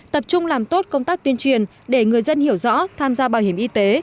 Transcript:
tập trung làm tốt công tác tuyên truyền để người dân hiểu rõ tham gia bảo hiểm y tế